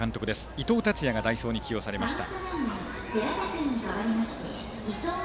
伊藤達也が代走に起用されました。